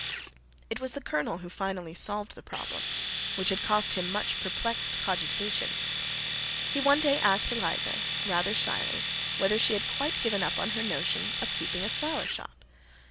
It was the Colonel who finally solved the problem, which had cost him much perplexed cogitation. He one day asked Eliza, rather shyly, whether she had quite given up her notion of keeping a flower shop.